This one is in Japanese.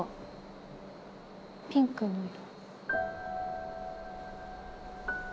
ピンクの色。